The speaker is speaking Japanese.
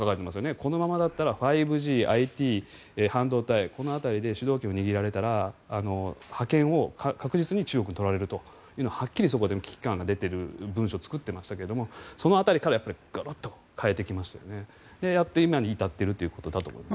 このままだと５Ｇ、ＩＴ、半導体この辺りで主導権を握られたら覇権を確実に中国に取られるとはっきりそこで危機感が出ている文書を作っていましたがその辺りからガラッと変えて今に至っているということだと思います。